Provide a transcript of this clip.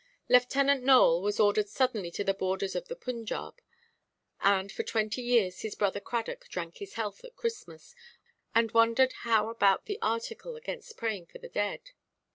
Lieutenant Nowell was ordered suddenly to the borders of the Punjaub, and for twenty years his brother Cradock drank his health at Christmas, and wondered how about the Article against praying for the dead.